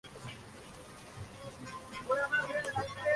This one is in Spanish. Nació en Caracas, Venezuela, de padres europeos.